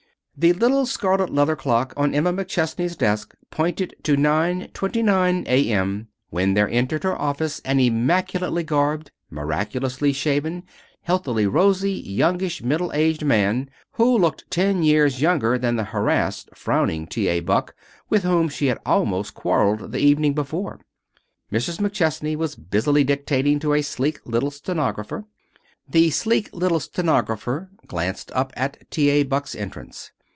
The little scarlet leather clock on Emma McChesney's desk pointed to 9:29 A.M. when there entered her office an immaculately garbed, miraculously shaven, healthily rosy youngish middle aged man who looked ten years younger than the harassed, frowning T. A. Buck with whom she had almost quarreled the evening before. Mrs. McChesney was busily dictating to a sleek little stenographer. The sleek little stenographer glanced up at T. A. Buck's entrance.